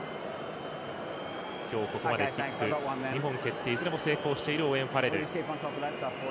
今日ここまでキック２本蹴っていずれも成功しているオーウェン・ファレル。